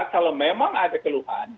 kalau memang ada keluhan